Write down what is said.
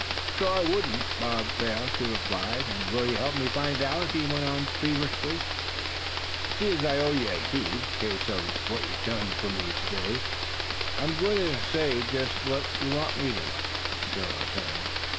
"Sure I wudn't, Bob Quail," she replied. "And will you help me find out?" he went on, feverishly. "Seein's I owe ye a heap, 'case o' what ye done fur me this day, I'm gwine to say jest what ye wants me to," the girl returned.